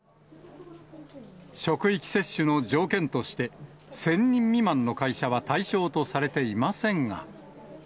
職域接種の条件として、１０００人未満の会社は対象とされていませんが。